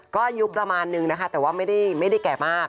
ก็อายุประมาณนึงนะคะแต่ว่าไม่ได้แก่มาก